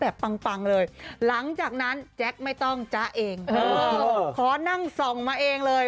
ปังปังเลยหลังจากนั้นแจ๊คไม่ต้องจ๊ะเองเออขอนั่งส่องมาเองเลย